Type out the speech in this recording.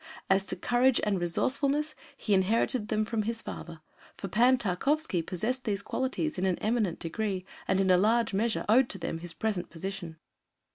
As to courage and resourcefulness, he inherited them from his father, for Pan Tarkowski possessed these qualities in an eminent degree and in a large measure owed to them his present position.